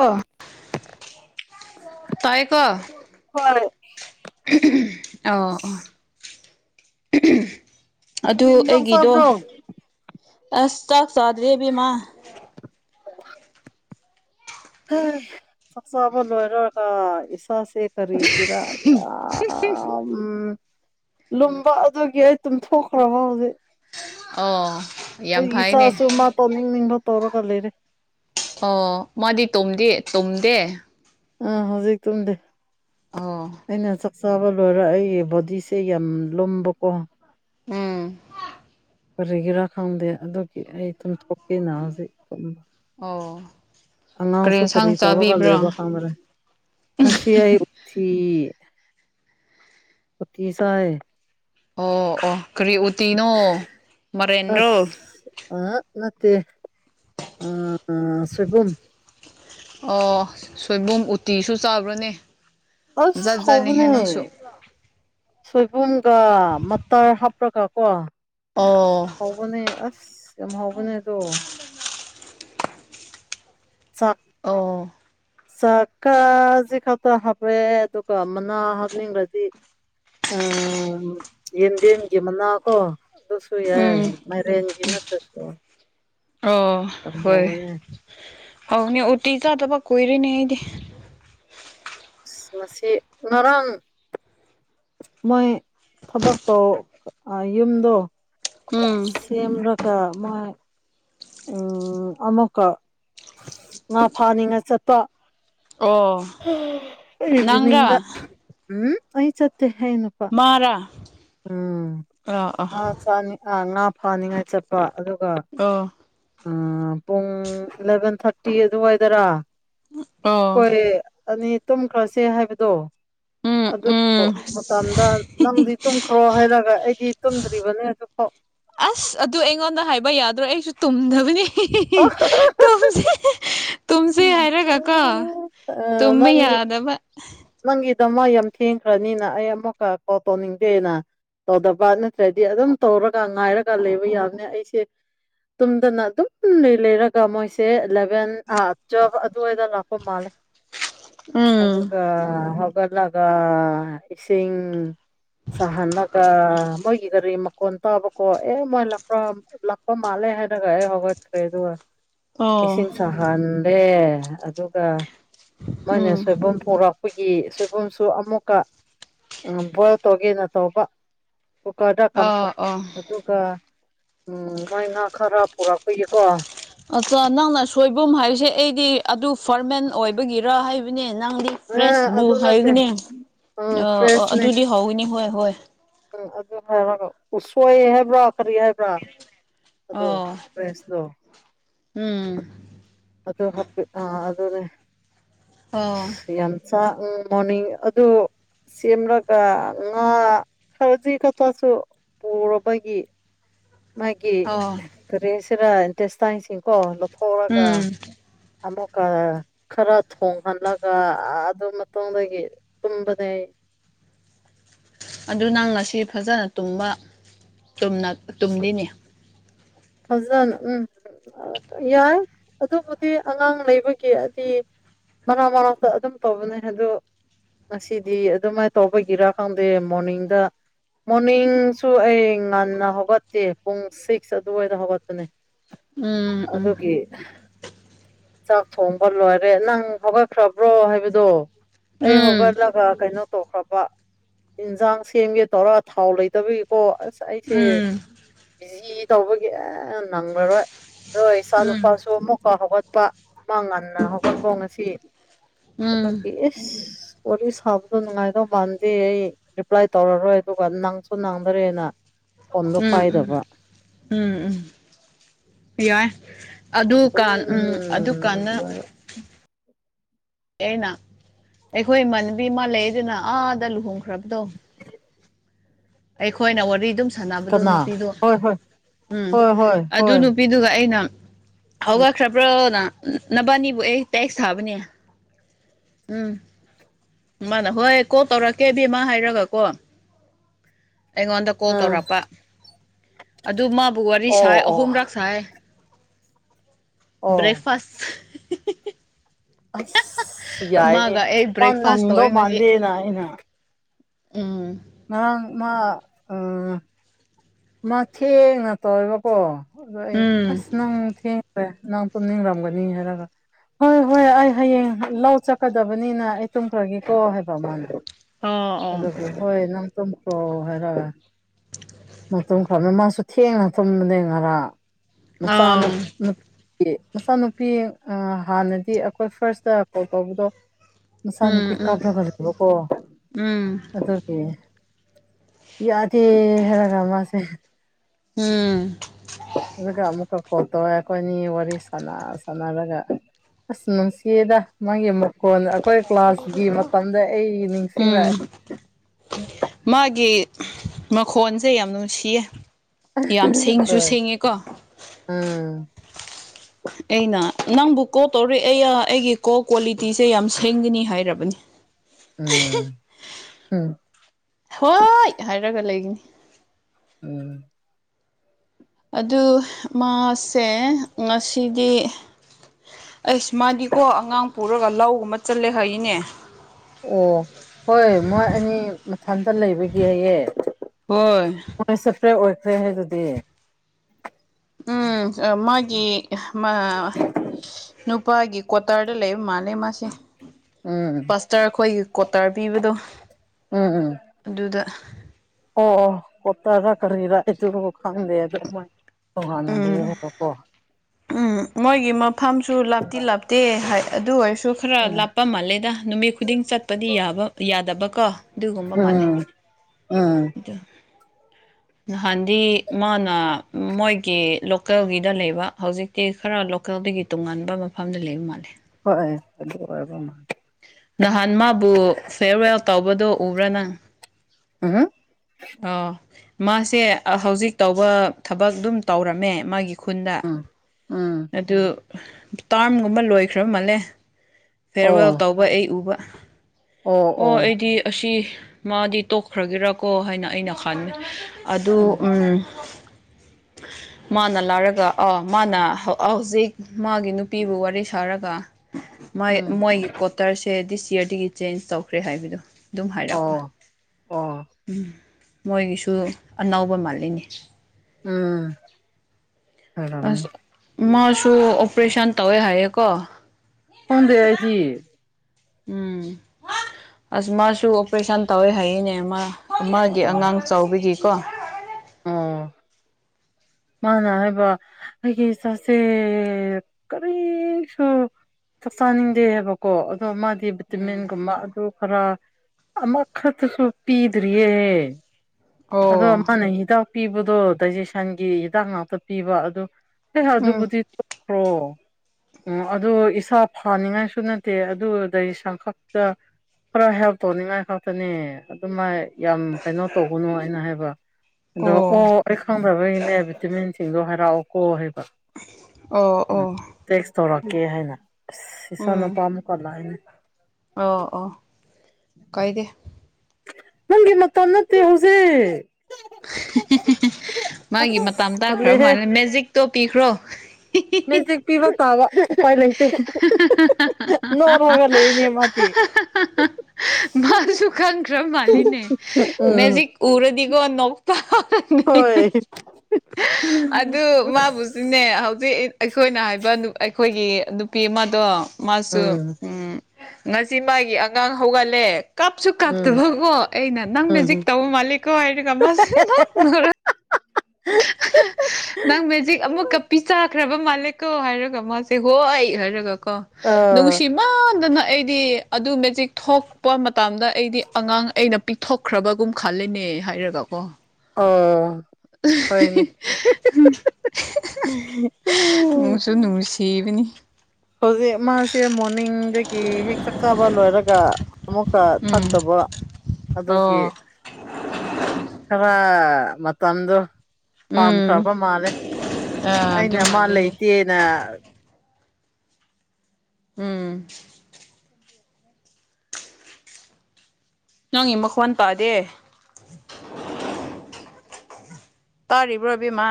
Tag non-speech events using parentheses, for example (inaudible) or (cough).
ꯑꯣ ꯇꯥꯏꯌꯦꯀꯣ ꯍꯣꯏ ꯑꯧ ꯑꯧ ꯀꯔꯤ ꯑꯗꯨ ꯏꯟꯖꯥꯡ ꯑꯩꯒꯤꯗꯣ ꯆꯥꯕ꯭ꯔꯣ ꯑꯁ ꯆꯥꯛ ꯆꯥꯗ꯭ꯔꯤ ꯏꯕꯦꯝꯃ (inaudible) ꯆꯛ ꯆꯥꯕ ꯂꯣꯏꯔꯒ ꯏꯁꯤꯡ ꯄꯁ‌ꯦ ꯀꯔꯤꯒꯤꯔꯥ ꯌꯥꯝ ꯂꯨꯝꯕ ꯑꯗꯨꯒꯤ ꯑꯩ ꯇꯨꯝꯊꯣꯛꯈ꯭ꯔꯕ ꯍꯧꯖꯤꯛ ꯑꯧ ꯑꯩ ꯏꯆꯥꯁꯨ ꯃꯥ ꯇꯧꯅꯤꯡꯅꯤꯡꯕ ꯇꯧꯔꯒ ꯂꯩꯔꯦ ꯑꯣ ꯃꯥꯗꯤ ꯇꯨꯝꯗꯦ ꯇꯨꯝꯗꯦ ꯎꯝ ꯍꯧꯖꯤꯛ ꯇꯨꯝꯗꯦ ꯑꯣ ꯑꯩꯅ ꯆꯥꯛ ꯆꯥꯕ ꯂꯣꯏꯔ ꯑꯩꯒꯤ ꯕꯣꯗꯤꯁꯦ ꯌꯥꯝ ꯂꯨꯝꯕꯀꯣ ꯎꯝ ꯀꯔꯤꯒꯤꯔꯥ ꯈꯪꯗꯦ ꯑꯗꯨꯒꯤ ꯑꯩ ꯇꯨꯝꯊꯣꯛꯀꯦꯅ ꯍꯧꯖꯤꯛ ꯇꯨꯝ ꯑꯧ ꯑꯉꯥꯡꯁꯨ ꯀꯔꯤ ꯇꯧꯔꯒ ꯂꯩꯕ꯭ꯔꯥ ꯈꯪꯗꯔꯦ ꯉꯁꯤ ꯑꯌꯨꯛ ꯊꯤ ꯎꯇꯤ ꯆꯥꯏ ꯑꯣ ꯑꯣ ꯀꯔꯤ ꯎꯇꯤꯅꯣ ꯃꯥꯏꯔꯦꯟꯔꯣ ꯑꯍꯥ ꯅꯠꯇꯦ ꯑ ꯁꯣꯏꯕꯨꯝ ꯑꯣ ꯁꯣꯏꯕꯨꯝ ꯎꯇꯤꯁꯨ ꯆꯥꯕ꯭ꯔꯥꯅꯦ ꯑꯁ ꯍꯥꯎꯕꯅꯦ ꯁꯣꯏꯕꯨꯝꯒ ꯃꯠꯇ꯭ꯔ ꯍꯥꯞꯔꯒ ꯀꯣ ꯑꯣ ꯍꯥꯎꯕꯅꯦ ꯑꯁ ꯌꯥꯝ ꯍꯥꯎꯕꯅꯦ ꯑꯗꯣ ꯆꯥꯛ ꯑꯣ ꯆꯥꯛ ꯀ ꯁꯤ ꯈꯛꯇ ꯍꯥꯞꯄꯦ ꯑꯗꯨꯒ ꯃꯅꯥ ꯍꯥꯞꯅꯤꯡꯈ꯭ꯔꯗꯤ ꯎꯝ ꯌꯦꯟꯗꯦꯝꯒꯤ ꯃꯅꯥꯀꯣ ꯑꯗꯨꯁꯨ ꯌꯥꯏ ꯎꯝ ꯃꯥꯏꯔꯦꯟꯒꯤ ꯅꯠꯇ꯭ꯔꯁꯨ (inaudible) ꯑꯣ ꯌꯥꯝ ꯍꯣꯏ ꯍꯧꯕꯅꯦ ꯍꯥꯎꯕꯅꯤ ꯎꯇꯤ ꯆꯗꯕ ꯀꯨꯏꯔꯦꯅꯦ ꯑꯩꯗꯤ ꯉꯁꯤ ꯉꯔꯥꯡ ꯃꯣꯏ ꯊꯕꯛꯇꯣ ꯑ ꯌꯨꯝꯗꯣ ꯎꯝ ꯁꯦꯝꯔꯒ ꯃꯣꯏ ꯑ ꯑꯃꯨꯛꯀ ꯉꯥ ꯐꯥꯅꯤꯅ ꯆꯠꯄ ꯑꯣ (unintelligible) ꯅꯤꯡꯗ ꯅꯪꯔꯥ ꯎꯝ ꯑꯩ ꯆꯠꯇꯦ ꯍꯥꯏꯅꯨ ꯉꯥꯔ ꯎꯝ ꯉꯥ ꯆꯥꯅꯤ ꯑꯥ ꯉꯥ ꯐꯥꯅꯤꯡꯉꯥꯏ ꯆꯠꯄ ꯑꯗꯨꯒ ꯑꯣ ꯎꯪ ꯄꯨꯡ ꯏꯂꯚꯦꯟ ꯊꯥꯔꯇꯤ ꯑꯗꯨꯋꯥꯏꯗꯔ ꯑꯣ ꯈꯣꯏ ꯑꯅꯤ ꯇꯨꯝꯈ꯭ꯔꯁꯦ ꯍꯥꯏꯕꯗꯣ ꯎꯝ ꯑꯗꯨꯗꯣ ꯎꯝ ꯃꯇꯝꯗ ꯅꯪꯗꯤ ꯇꯨꯝꯈ꯭ꯔꯣ ꯍꯥꯏꯔꯒ ꯑꯩꯗꯤ ꯇꯨꯝꯗ꯭ꯔꯤꯕꯅꯦ ꯑꯗꯨꯐꯥꯎ ꯑꯁ ꯑꯗꯨ ꯑꯩꯉꯣꯟꯗ ꯍꯥꯏꯕ ꯌꯥꯗ꯭ꯔꯣ ꯑꯩꯁꯨ ꯇꯨꯝꯗꯕꯅꯤ ꯑꯥ (unintelligible) ꯇꯨꯝꯖꯦ (unintelligible) ꯇꯨꯝꯁꯦ ꯍꯥꯏꯔꯒ ꯀꯣ ꯇꯨꯝꯕ ꯌꯥꯗꯕ ꯅꯪꯒꯤꯗꯣ ꯃꯣꯏ ꯌꯥꯝ ꯊꯦꯡꯈ꯭ꯔꯅꯤꯅ ꯑꯩ ꯑꯃꯨꯛꯀ ꯀꯣꯜ ꯇꯧꯅꯤꯡꯗꯦꯅ ꯇꯧꯗꯕ ꯅꯠꯇ꯭ꯔꯗꯤ ꯑꯗꯨꯝ ꯇꯧꯔꯒ ꯉꯥꯏꯔꯒ ꯂꯩꯕ ꯌꯥꯕꯅꯦ ꯑꯩꯁꯦ ꯇꯨꯝꯗꯅ ꯑꯗꯨꯝ ꯂꯩ ꯂꯩꯔꯒ ꯃꯣꯏꯁꯦ ꯑꯦꯂꯚꯦꯟ ꯑ ꯇꯨꯋꯦꯜꯐ ꯑꯗꯨꯋꯥꯏꯗ ꯂꯥꯛ ꯄ ꯃꯥꯜꯂꯦ ꯑꯗꯨ ꯎꯝ ꯑ ꯍꯧꯒꯠꯂꯒ ꯏꯁꯤꯡ ꯁꯥꯍꯜꯂꯒ ꯃꯣꯏꯒꯤ ꯒꯔꯤ ꯃꯈꯣꯟ ꯇꯥꯕ ꯀꯣ ꯑꯦ ꯃꯣꯏ ꯂꯥꯛꯄ꯭ꯔ ꯂꯥꯛꯄ ꯃꯥꯜꯂꯦ ꯍꯥꯏꯔꯒ ꯑꯩ ꯍꯧꯒꯠꯈ꯭ꯔꯦ ꯑꯗꯨꯒ ꯑꯣ ꯏꯁꯤꯡ ꯁꯥꯍꯜꯂꯦ ꯑꯗꯨꯒ ꯃꯣꯏꯅ ꯎꯝ ꯁꯣꯏꯕꯨꯝ ꯄꯨꯔꯛꯄꯒꯤ ꯁꯣꯏꯕꯨꯝꯁꯨ ꯑꯃꯨꯛꯀ ꯎꯝ ꯕꯣꯏꯜ ꯇꯧꯒꯦꯅ ꯇꯧꯕ ꯀꯨꯀꯥꯔꯗ ꯑꯥ ꯀꯥꯝꯊꯣꯛ ꯑꯥ ꯑꯗꯨ ꯒ ꯎꯝ ꯃꯣꯏ ꯉꯥ ꯈꯔ ꯄꯨꯔꯛꯄꯒꯤꯀꯣ ꯑꯆꯥ ꯅꯪꯅ ꯁꯣꯏꯕꯨꯝ ꯍꯥꯏꯕꯁꯦ ꯑꯩꯗꯤ ꯑꯗꯨ ꯐꯔꯃꯦꯟ ꯑꯣꯏꯕꯒꯤꯔ ꯍꯥꯏꯕꯅꯦ ꯅꯪꯗꯤ ꯑꯦ ꯐ꯭ꯔꯦꯁꯕꯨ ꯑꯗꯨ ꯅꯠꯇꯦ ꯍꯥꯏꯌꯨꯅꯦ ꯎꯝ ꯑ ꯑ ꯐ꯭ꯔꯦꯁꯅꯦ ꯑꯗꯨꯗꯤ ꯍꯎꯒꯅꯤ ꯍꯣꯏ ꯍꯣꯏ ꯎꯝ ꯑꯗꯨ ꯍꯥꯏꯔꯒ ꯎꯁꯣꯏ ꯍꯥꯏꯕ꯭ꯔꯣ ꯀꯔꯤ ꯍꯥꯏꯕ꯭ꯔ ꯑꯣ ꯎꯝ ꯑꯗꯨ ꯍꯥꯞꯄꯦ ꯑ ꯑꯗꯨꯅꯦ ꯑꯣ ꯌꯥꯝ ꯆꯥ ꯎꯝ ꯃꯣꯔꯅꯤꯡ ꯑꯗꯨ ꯁꯦꯝꯔꯒ ꯉꯥ ꯈꯖꯤꯛ ꯈꯛꯇꯁꯨ ꯄꯨꯔꯕꯒꯤ ꯃꯥꯒꯤ ꯑꯣ ꯀꯔꯤꯍꯥꯏꯁꯤꯔ ꯏꯟꯇꯦꯁꯇꯥꯏꯁꯤꯡꯀꯣ ꯂꯧꯊꯣꯛꯔꯒ ꯎꯝ ꯑꯃꯨꯛꯀ ꯈꯔ ꯊꯣꯡꯍꯜꯂꯒ ꯑꯗꯨ ꯃꯇꯨꯡꯗꯒꯤ ꯇꯨꯝꯕꯗꯩ ꯑꯗꯨ ꯅꯪ ꯉꯁꯤ ꯐꯖꯅ ꯇꯨꯝꯕ ꯆꯨꯝꯅ ꯇꯨꯝꯂꯤꯅꯦ ꯐꯖꯅ ꯎꯝ ꯑ ꯌꯥꯏ ꯑꯗꯨꯕꯨꯗꯤ ꯑꯉꯥꯡ ꯂꯩꯕꯒꯤ (unintelligible) ꯃꯔꯛ ꯃꯔꯛꯇ ꯑꯗꯨꯝ ꯇꯧꯕꯅꯦ ꯑꯗꯨ ꯉꯁꯤꯗꯤ ꯑꯗꯨꯃꯥꯏ ꯇꯧꯕꯒꯤꯔ ꯈꯪꯗꯦ ꯃꯣꯔꯅꯤꯡꯗ ꯃꯣꯔꯅꯤꯡꯁꯨ ꯑꯩ ꯉꯟꯅ ꯍꯧꯒꯠꯇꯦ ꯄꯨꯡ ꯁꯤꯛꯁ ꯑꯗꯨꯋꯥꯏꯗ ꯍꯧꯒꯠꯄꯅꯦ ꯎꯝ ꯎꯝ (unintelligible) ꯆꯥꯛ ꯊꯣꯡꯕ ꯂꯣꯏꯔꯦ ꯅꯪ ꯍꯧꯒꯠꯈ꯭ꯔꯕ꯭ꯔꯣ ꯍꯥꯏꯕꯗꯣ ꯑꯩ ꯎꯝ ꯍꯧꯒꯠꯂꯛ ꯒ ꯀꯩꯅꯣ ꯇꯧꯈ꯭ꯔꯕ ꯏꯟꯖꯥꯡ ꯁꯦꯝꯒꯦ ꯇꯧꯔ ꯊꯥꯎ ꯂꯩꯇꯕꯒꯤꯀꯣ ꯑꯁ ꯑꯁ ꯑꯩꯁꯦ ꯎꯝ ꯄꯤ ꯖꯤ ꯇꯧꯕꯒꯤ ꯑꯥ ꯅꯪꯂꯔꯣꯏ ꯫ ꯑꯗꯨꯒ ꯏꯆꯥꯅꯨꯄꯥꯁꯨ ꯑꯃꯨꯛꯀ ꯍꯧꯒꯠꯄ ꯫ ꯃꯥ ꯉꯟꯅ ꯍꯧꯒꯠꯄ ꯉꯁꯤ ꯎꯝ ꯎꯝ ꯑꯗꯨꯒꯤ ꯏ ꯫ ꯏꯁ ꯋꯥꯔꯤ ꯁꯥꯕꯗꯨ ꯅꯨꯡꯉꯥꯏꯗꯧ ꯃꯥꯟꯗꯦ ꯑꯩ ꯫ ꯔꯤꯄ꯭ꯂꯥꯏ ꯇꯧꯔꯔꯣꯏ ꯑꯗꯨꯒ ꯅꯪꯁꯨ ꯅꯪꯗ꯭ꯔꯦꯅ ꯫ ꯎꯝ ꯎꯝ ꯎꯝ ꯎꯝ ꯌꯥꯏ ꯑꯗꯨ ꯑꯗꯨꯝ ꯀꯥꯟ ꯎꯝ ꯑꯗꯨꯀꯥꯟꯗ ꯑꯩꯅ ꯑꯩꯈꯣꯏ ꯏꯃꯥꯟꯅꯕꯤ ꯑꯃ ꯂꯩ ꯑꯗꯨꯅ ꯑꯥꯗ ꯂꯨꯍꯣꯡꯈ꯭ꯔꯕꯗꯣ ꯑꯩꯈꯣꯏꯅ ꯋꯥꯔꯤ ꯑꯗꯨꯝ ꯁꯥꯟꯅꯕꯗꯣ ꯀꯅꯥ ꯅꯨꯄꯤꯗꯣ ꯍꯣꯏ ꯍꯣꯏ ꯎꯝ ꯍꯣꯏ ꯍꯣꯏ ꯑꯗꯨ ꯍꯣꯏ ꯅꯨꯄꯤꯗꯨꯒ ꯑꯩꯅ ꯎꯝ ꯍꯧꯒꯠꯈ꯭ꯔꯕ꯭ꯔꯣꯅ ꯅꯕꯥꯅꯤꯕꯨ ꯑꯩ ꯇꯦꯛꯁ ꯊꯥꯕꯅꯦ ꯫ ꯎꯝ ꯃꯥꯅ ꯍꯣꯏ ꯀꯣꯜ ꯇꯧꯔꯛꯀꯦ ꯏꯕꯦꯝꯃ ꯍꯥꯏꯔꯒ ꯀꯣ ꯑꯩꯉꯣꯟꯗ ꯀꯣꯜ ꯎꯝ ꯇꯧꯔꯛꯄ ꯫ ꯑꯗꯨ ꯃꯥꯕꯨ ꯋꯥꯔꯤ ꯑꯣ ꯁꯥꯏ ꯑꯣ ꯑꯍꯨꯝꯔꯛ ꯁꯥꯏ ꯫ ꯑꯣ ꯕ꯭ꯔꯦꯛꯐꯥꯁ ꯑꯁ ꯌꯥꯏꯅꯦ ꯃꯥꯒ ꯑꯩ ꯅꯪ ꯕ꯭ꯔꯦꯛꯐꯥꯁ ꯇꯧꯋꯦ ꯅꯪꯗꯧ ꯉꯁꯤ ꯃꯥꯟꯗꯦꯅ ꯑꯩꯅ ꯎꯝ ꯉꯔꯥꯡ ꯃꯥ ꯎꯝ ꯃꯥ ꯊꯦꯡꯅ ꯇꯧꯋꯦꯕꯀꯣ ꯑꯗꯣ ꯑꯩ ꯎꯝ ꯑꯁ ꯅꯪ ꯊꯦꯡ ꯅꯪ ꯇꯨꯝꯅꯤꯡꯔꯝꯒꯅꯤ ꯍꯥꯏꯔꯒ ꯍꯣꯏ ꯍꯣꯏ ꯑꯩ ꯍꯌꯦꯡ ꯂꯧ ꯆꯠ ꯀꯗꯕꯅꯤꯅ ꯑꯩ ꯇꯨꯝꯈ꯭ꯔꯒꯤꯀꯣ ꯍꯥꯏꯕ ꯃꯥꯅ ꯑꯣ ꯑꯣ ꯑꯗꯨꯒꯤ ꯍꯣꯏ ꯅꯪ ꯇꯝꯈ꯭ꯔ‌ꯣ ꯍꯥꯏꯔꯒ (inaudible) ꯃꯇꯨꯝ ꯈ꯭ꯔꯅ ꯃꯥꯁꯨ ꯊꯦꯡꯅ ꯊꯨꯝꯕꯅꯦ ꯉꯔꯥꯡ ꯑꯥꯎ ꯃꯆꯥꯅꯨ ꯅꯨ ꯄꯤ ꯃꯆꯥꯅꯨꯄꯤ ꯑꯥ ꯍꯥꯟꯅꯗꯤ ꯑꯩꯈꯣꯏ ꯐꯥꯔꯁꯇ ꯀꯣꯜ ꯇꯧꯕꯗꯣ ꯎꯝ ꯃꯆꯥꯥꯅꯨꯄꯤ ꯎꯝ ꯀꯥꯞꯔꯒ ꯂꯩꯕꯀꯣ ꯎꯝ ꯑꯗꯨ ꯒꯤ ꯌꯥꯗ‌ꯦ ꯍꯥꯏꯔꯒ ꯃꯥꯁꯦ ꯎꯝ ꯑꯗꯨꯒ ꯑꯃꯨꯛꯀ ꯀꯣꯜ ꯇꯧꯋ‌ꯦ ꯑꯩꯈꯣꯏꯅꯤ ꯋꯥꯔꯤ ꯁꯥꯟꯅ ꯁꯥꯟꯅꯔꯒ ꯑꯁ ꯅꯨꯡꯁꯤꯌ‌ꯦꯗ ꯃꯥꯒꯤ ꯃꯈꯣꯟ ꯑꯩꯈꯣꯏ ꯀ꯭ꯂꯥꯁꯀꯤ ꯃꯇꯝꯗ ꯑꯩ ꯎꯝ ꯅꯤꯡꯁꯤꯡꯂꯛꯑꯦ ꯫ ꯃꯥꯒꯤ ꯃꯈꯣꯟꯁꯦ ꯌꯥꯝ ꯅꯨꯡꯁꯤꯌꯦ ꯫ ꯌꯥꯝ ꯁꯦꯡꯁꯨ ꯍꯣꯏ ꯁꯦꯡꯉꯦꯀꯣ ꯫ ꯎꯝ ꯑꯩꯅ ꯅꯪꯕꯨ ꯀꯣꯜ ꯇꯧꯔꯛ ꯑꯩꯌ‌ꯥ ꯑꯩꯒꯤ ꯀꯣꯜ ꯀ꯭ꯋꯥꯂꯤꯇꯤꯁꯦ ꯌꯥꯝ ꯁꯦꯡꯗ‌ꯦꯅꯤ ꯍꯥꯏꯔꯕꯅꯤ ꯫ ꯎꯝ ꯎꯝ ꯍꯣꯏ ꯍꯥꯏꯔꯒ ꯂꯩꯒꯅꯤ ꯫ ꯎꯝ ꯑꯗꯨ ꯃꯥꯁꯦ ꯉꯁꯤꯗꯤ ꯑꯩꯁ ꯃꯥꯗꯤꯀꯣ ꯑꯉꯥꯡ ꯄꯨꯔꯒ ꯂꯧꯒꯨꯝꯕ ꯆꯠꯂꯦ ꯍꯥꯏꯌ‌ꯦꯅ‌ꯦ ꯫ ꯑꯣ ꯍꯣꯏ ꯃꯣꯏ ꯑꯅꯤ ꯃꯊꯟꯇ ꯂꯩꯕꯒꯤ ꯍꯥꯏꯌ‌ꯦ ꯫ ꯍꯣꯏ ꯃꯣꯏ ꯁꯦꯄꯔꯦꯠ ꯑꯣꯏꯈ꯭ꯔꯦ ꯑꯗꯨꯗꯤ ꯫ ꯎꯝ ꯃꯥꯒꯤ ꯃꯥ ꯅꯨꯄꯥꯒꯤ ꯀ꯭ꯋꯥꯇꯥꯔꯗ ꯂꯩꯕ ꯃꯥꯜꯂꯦ ꯃꯥꯁꯦ ꯫ ꯎꯝ ꯆꯔ ꯈꯣꯏꯒꯤ ꯀꯣꯇꯔ ꯄꯤꯕꯗꯨ ꯎꯝ ꯎꯝ ꯑꯗꯨꯗ ꯑꯣ ꯑꯣ ꯀꯣꯠꯇꯔ ꯀꯔꯤꯔꯥ ꯑꯩꯇꯨ ꯈꯪꯗꯦ ꯑꯗꯨꯗ꯭ꯔ ꯃꯣꯏ (unintelligible) ꯇꯣꯉꯥꯟꯅ ꯂꯩꯔꯦꯕꯀꯣ (unintelligible) ꯝ ꯃꯣꯏꯒꯤ ꯃꯐꯝꯁꯨ ꯂꯥꯞꯇꯤ ꯂꯥꯞꯇꯦ ꯍꯥꯏ ꯑꯗꯨ ꯑꯣꯏꯔꯁꯨ ꯈꯔ ꯂꯥꯞꯄ ꯃꯥꯜꯂꯦꯗ ꯅꯨꯃꯤꯠ ꯈꯨꯗꯤꯡ ꯆꯠ ꯄꯗꯤ ꯌꯥꯕ ꯌꯥꯗꯕꯀꯣ ꯎꯝ ꯎꯝ ꯑ ꯅꯍꯥꯟꯗꯤ ꯃꯥꯅ ꯃꯣꯏꯒꯤ ꯂꯣꯀꯦꯜꯒꯤꯗ ꯂꯩꯕ ꯍꯧꯖꯤꯛꯇꯤ ꯈꯔ ꯂꯣꯀꯦꯜꯗꯒꯤ ꯇꯣꯉꯥꯟꯕ ꯃꯐꯝꯗ ꯂꯩꯕ ꯃꯥꯜꯂꯦ ꯍꯣꯏ ꯑꯗꯨ ꯑꯣꯏꯕ ꯃꯥꯜꯂꯦ ꯅꯍꯥꯟ ꯃꯥꯕꯨ ꯐꯦꯔꯋꯦꯜ ꯇꯧꯕꯗꯣ ꯎꯕ꯭ꯔꯥ ꯅꯪ ꯑꯍ (unintelligible) ꯑ ꯃꯥꯁꯦ ꯍꯧꯖꯤꯛ ꯇꯧꯕ ꯊꯕꯛ ꯑꯗꯨꯝ ꯇꯧꯔꯝꯃꯦ ꯃꯥꯒꯤ ꯈꯨꯟꯗ ꯎꯝ ꯎꯝ ꯑꯗꯨ ꯇꯥꯔꯝꯒꯨꯝꯕ ꯂꯣꯏꯈ꯭ꯔꯕ ꯃꯥꯜꯂꯦ ꯐꯦꯔꯋꯦꯜ ꯑꯣ ꯇꯧꯕ ꯑꯩ ꯎꯕ ꯑꯣ ꯑꯩꯗꯤ ꯑꯁꯤ ꯃꯥꯗꯤ ꯇꯣꯛꯈ꯭ꯔꯒꯦꯔꯥꯀꯣ ꯍꯥꯏꯅ ꯑꯩꯅ ꯈꯜꯂꯦ ꯑꯗꯨ ꯎꯝ ꯃꯥꯅ ꯂꯥꯛꯔꯒ ꯑ ꯃꯥꯅ ꯍꯧꯖꯤꯛ ꯃꯥꯒꯤ ꯅꯨꯄꯤꯕꯨ ꯋꯥꯔꯤ ꯁꯥꯔꯒ ꯃꯥꯏ ꯎꯝ ꯃꯣꯏꯒꯤ ꯀꯣꯇꯔꯁꯦ ꯗꯤꯁ ꯌꯔꯗꯒꯤ ꯆꯦꯟꯖ ꯇꯧꯈ꯭ꯔꯦ ꯍꯥꯏꯕꯗꯣ ꯑꯗꯨꯝ ꯍꯥꯏꯔꯛꯄ ꯑꯥ ꯎꯝ ꯃꯣꯏꯒꯤꯁꯨ ꯑꯅꯧꯕ ꯃꯥꯜꯂꯤꯅꯤ ꯎꯝ ꯑꯣꯏꯔꯝꯅꯤ ꯑꯁ ꯃꯥꯁꯨ ꯑꯣꯄ꯭ꯔꯦꯁꯟ ꯇꯧꯋꯦ ꯍꯥꯏꯌꯦꯀꯣ ꯈꯣꯡꯗꯦ ꯑꯩꯗꯤ ꯎꯝ ꯑꯁ ꯃꯥꯁꯨ ꯑꯣꯄ꯭ꯔꯦꯁꯟ ꯇꯧꯋꯦ ꯍꯥꯏꯌꯦꯅꯦ ꯃꯥ ꯑꯃꯒꯤ ꯑꯣ ꯑꯉꯥꯡ ꯆꯥꯎꯕꯤꯒꯤꯀꯣ ꯑꯣ ꯃꯥꯅ ꯍꯥꯏꯕ ꯑꯩꯒꯤ ꯏꯆꯥꯁꯦ ꯀꯔꯤꯁꯨ ꯆꯥꯛ ꯆꯥꯅꯤꯡꯗꯦꯕꯀꯣ ꯑꯗꯣ ꯃꯥꯗꯤ ꯚꯤꯇꯃꯤꯟꯒꯨꯝꯕ ꯑꯗꯨ ꯈꯔ ꯑꯃꯈꯛꯇꯁꯨ ꯄꯤꯗ꯭ꯔꯤꯌꯦ ꯑꯗꯣ ꯑꯣ ꯃꯥꯅ ꯍꯤꯗꯥꯛ ꯄꯤꯕꯗꯣ ꯗꯥꯏꯖꯦꯁꯟꯒꯤ ꯍꯤꯗꯥꯛ ꯉꯥꯛꯇ ꯄꯤꯕ ꯑꯗꯨ ꯎꯝ ꯑꯗꯨꯕꯨꯗꯤ ꯇꯣꯛꯈ꯭ꯔꯣ ꯎꯝ ꯑꯗꯨ ꯏꯁꯥ ꯐꯥꯅꯤꯡꯉꯥꯏꯁꯨ ꯅꯠꯇꯦ ꯑꯗꯨ ꯗꯥꯏꯖꯦꯁꯟ ꯈꯛꯇ ꯈꯔ ꯍꯦꯜꯞ ꯇꯧꯅꯤꯉꯥꯏ ꯈꯛꯇꯅꯦ ꯑꯗꯨꯝ ꯃꯥꯏ ꯌꯥꯝ ꯀꯩꯅꯣ ꯇꯧꯒꯅꯨ ꯑꯩꯅ ꯍꯥꯏꯕ ꯑꯗꯣ ꯑꯣ ꯍꯣꯏ ꯈꯪꯗꯕꯒꯤꯅꯦ ꯚꯤꯇꯃꯤꯟꯁꯤꯡꯗꯣ ꯍꯥꯏꯔꯥꯎꯑꯣꯀꯣ ꯍꯥꯏꯕ ꯑꯣ ꯑꯣ ꯇꯦꯛꯁ ꯇꯧꯔꯛꯀꯦ ꯍꯥꯏꯅ ꯑꯁ ꯎꯝ ꯏꯁꯥꯅꯨꯄꯥꯥ ꯑꯃꯨꯛꯀ ꯂꯥꯛꯑꯦꯅꯦ ꯑꯣ ꯑꯣ ꯀꯥꯏꯗꯦ ꯅꯪꯒꯤ ꯃꯇꯝ ꯅꯠꯇꯦ ꯍꯧꯖꯤꯛ ꯃꯥꯒꯤ ꯑꯁ ꯃꯇꯝ ꯇꯥꯈ꯭ꯔ ꯇꯜꯂꯦꯍꯦ ꯃꯥꯜꯂꯦ ꯃꯦꯖꯤꯛꯇꯣ ꯄꯤꯈ꯭ꯔꯣ ꯃꯦꯖꯤꯛ ꯄꯤꯕ ꯇꯥꯕ ꯎꯄꯥꯏ ꯂꯩꯇꯦ ꯅꯣꯔꯒ ꯂꯩꯌꯦꯅꯦ ꯃꯥꯗꯤ ꯃꯥꯁꯨ ꯈꯥꯡꯈ꯭ꯔ ꯃꯥꯂꯤꯅꯦ ꯎꯝ ꯃꯦꯖꯤꯛ ꯎꯔꯗꯤꯀꯣ ꯅꯣꯛꯄ ꯍꯣꯏ ꯑꯗꯨ ꯃꯥꯕꯨꯁꯨ ꯑꯗꯨꯅꯦ ꯍꯧꯖꯤꯛ ꯑꯩꯈꯣꯏꯅ ꯍꯥꯏꯕ ꯑꯩꯈꯣꯏꯒꯤ ꯅꯨꯄꯤ ꯑꯃꯗꯣ ꯃꯥꯁꯨ ꯎꯝ ꯉꯁꯤ ꯃꯥꯒꯤ ꯑꯉꯥꯡ ꯍꯧꯒꯠꯂꯦ ꯀꯥꯞꯁꯨ ꯎꯝ ꯀꯥꯞꯇꯕꯀꯣ ꯑꯩꯅ ꯅꯪ ꯎꯝ ꯃꯦꯖꯤꯛ ꯇꯧꯕ ꯃꯥꯜꯂꯦꯀꯣ ꯍꯥꯏꯔꯒ ꯃꯥꯁꯨ ꯅꯣꯛ (unintelligible) ꯅꯪ ꯃꯦꯖꯤꯛ ꯑꯃꯨꯛꯀ ꯄꯤꯆꯥꯈ꯭ꯔꯕ ꯃꯥꯜꯂꯦꯀꯣ ꯍꯥꯏꯔꯒ ꯃꯥꯁꯦ ꯍꯣꯏ ꯍꯥꯏꯔꯒ ꯀꯣ ꯑꯥ ꯅꯨꯡꯁꯤ ꯃꯥꯟꯗꯅ ꯑꯩꯗꯤ ꯑꯗꯨ ꯃꯦꯖꯤꯛ ꯊꯣꯛꯄ ꯃꯇꯝꯗ ꯑꯩꯗꯤ ꯑꯉꯥꯡ ꯑꯩꯅ ꯄꯤꯛꯊꯣꯛꯈ꯭ꯔꯕꯒꯨꯝ ꯈꯜꯂꯦꯅꯦ ꯍꯥꯏꯔꯒ ꯀꯣ ꯑꯣ ꯍꯣꯏꯅꯦ ꯎꯝ ꯅꯣꯡꯁꯨ ꯅꯨꯡꯁꯤꯕꯅꯤ ꯍꯧꯖꯤꯛ ꯃꯥꯁꯦ ꯃꯣꯔꯅꯤꯡꯗꯒꯤ ꯍꯦꯛ ꯆꯥꯛꯆꯥꯕ ꯂꯣꯏꯔꯒ ꯑꯃꯨꯛꯀ ꯎꯝ ꯊꯛꯇꯕ ꯑꯣ ꯑꯗꯨꯒꯤ ꯈꯔ ꯃꯇꯝꯗꯣ ꯎꯝ ꯄꯥꯝꯈ꯭ꯔꯕ ꯃꯥꯜꯂꯦ ꯑ ꯑꯗꯨ ꯑꯩꯅ ꯃꯥ ꯃꯥꯜꯂꯤꯅꯦ ꯂꯩꯇꯦꯅ ꯎꯝ ꯅꯪꯒꯤ ꯃꯈꯣꯟ ꯇꯥꯗꯦ ꯇꯥꯔꯤꯕ꯭ꯔꯣ ꯑꯃꯦꯝꯃꯥ